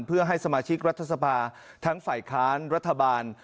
เพื่อให้สมาชิกรัฐสภาทั้งฝ่ายค้านรัฐบาล